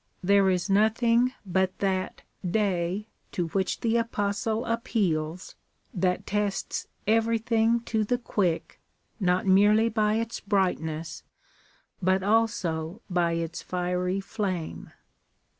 There is nothing but that day to which the Apostle appeals, that tests everything to the quick, not merely by its brightness, but also by its fiery flame.